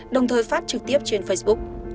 đồng thời phát trực tiếp trên facebook